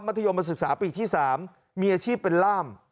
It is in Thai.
ธยมศึกษาปีที่๓มีอาชีพเป็นล่าม